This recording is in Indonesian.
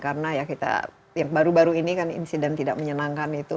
karena ya kita baru baru ini kan insiden tidak menyenangkan itu